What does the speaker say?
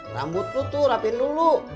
rambut lu tuh rapin dulu